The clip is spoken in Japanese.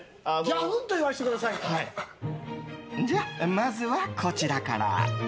まずは、こちらから。